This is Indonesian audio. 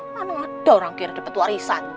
mana ada orang kira dapet warisan